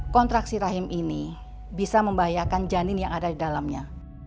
kontraksi rahim ini bisa membahayakan janin yang ada di dalamnya